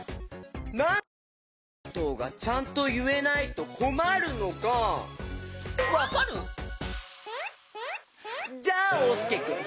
なんで「ありがとう」がちゃんといえないとこまるのかわかる？じゃあおうすけくん。